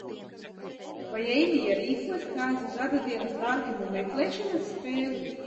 Vai Eimija rīkos kāzu gadadienas dārgumu meklēšanas spēli?